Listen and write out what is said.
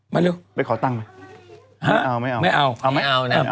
มาเร็วไม่เอานะครับโอเคไป